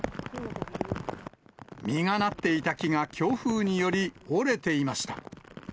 実がなっていた木が、強風により折れていました。